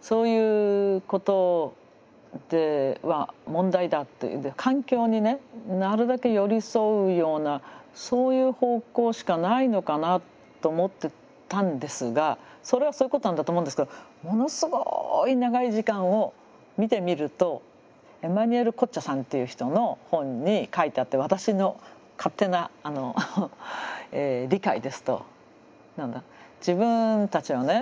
そういうことでは問題だというんで環境にねなるべく寄り添うようなそういう方向しかないのかなと思ってたんですがそれはそういうことなんだと思うんですけどものすごい長い時間を見てみるとエマヌエーレ・コッチャさんっていう人の本に書いてあって私の勝手な理解ですと自分たちはね